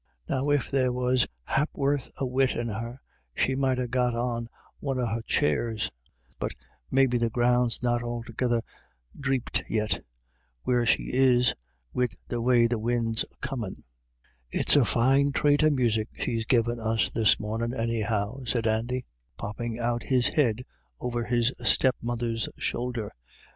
Now, if there was a hap'orth o' wit in her, she might ha' got on one o' her chairs ; but maybe the ground's not altogether dhreeped yit, where she is, wid the way the wind's comin\" " It's a fine thrate of music she's givin' us this mornin', anyhow," said Andy, popping out his head over his step mother's shoulder.